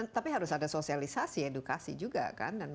tapi harus ada sosialisasi edukasi juga kan